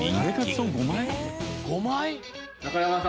５枚！？